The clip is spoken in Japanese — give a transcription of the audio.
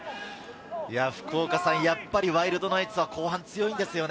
やっぱりワイルドナイツは後半、強いんですよね。